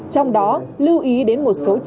trong đó lưu ý đến một số chương trình